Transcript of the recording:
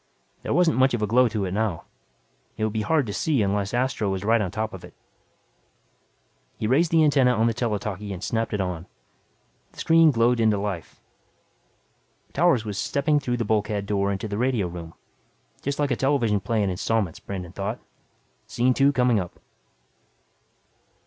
There wasn't much of a glow to it now. It would be hard to see unless Astro was right on top of it. He raised the antenna on the tele talkie and snapped it on. The screen glowed into life. Towers was stepping through the bulkhead door into the radio room. Just like a television play in installments, Brandon thought. Scene two coming up.